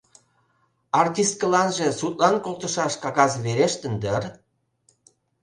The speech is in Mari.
Артисткыланже судлан колтышаш кагаз верештын дыр...